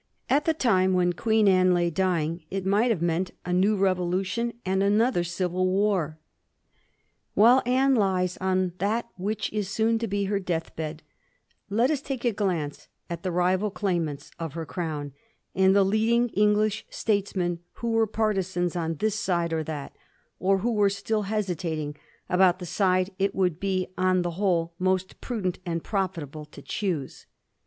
At the time when Queen Anne lay dying it might have meant a new revolution and another civil war. While Anne lies on that which is soon to be her death bed, let us take a glance at the rival claimants of her crown and the leading English statesmen who were partizans on this side or on that, or who were still hesitating about the side it would be on the whole most prudent and profitable to choose.